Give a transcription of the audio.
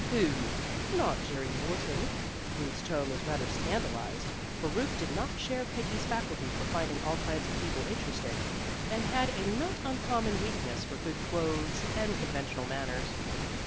"Who? Not Jerry Morton?" Ruth's tone was rather scandalized, for Ruth did not share Peggy's faculty for finding all kinds of people interesting, and had a not uncommon weakness for good clothes and conventional manners.